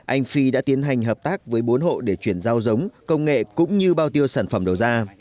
anh phi đã tiến hành hợp tác với bốn hộ để chuyển giao giống công nghệ cũng như bao tiêu sản phẩm đầu ra